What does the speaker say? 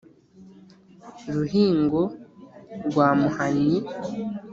ruhingo rwa muhanyi